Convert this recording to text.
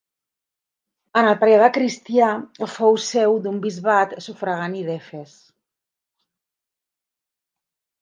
En el període cristià, fou seu d'un bisbat sufragani d'Efes.